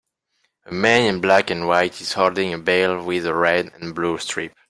A man in black and white is holding a ball with a red and blue stripe.